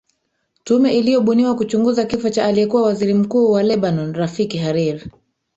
tume iliyobuniwa kuchunguza kifo cha aliyekuwa waziri mkuu wa lebanon rafik harir